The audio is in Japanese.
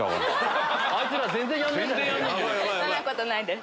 そんなことないです。